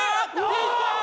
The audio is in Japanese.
いったー！